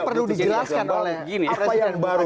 perlu dijelaskan oleh apa yang baru